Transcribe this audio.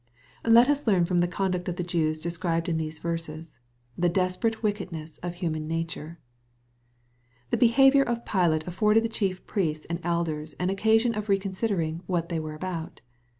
Let us learn from the conduct of the Jews described in these verses, ffie desperate wickedness ofhurrmn nature. The behavior of Pilate afforded the chief priests and elders an occasion of reconsidering what they were about.